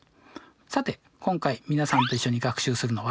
さて今回皆さんと一緒に学習するのは。